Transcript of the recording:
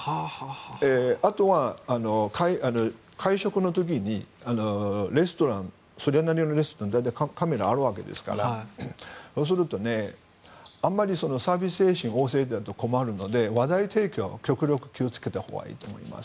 あとは、会食の時にそれなりのレストランには大体カメラがあるわけですからそうするとあまりサービス精神旺盛だと困るので話題提供は極力気をつけたほうがいいと思います。